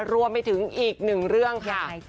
รวมไปถึงอีกหนึ่งเรื่องค่ะ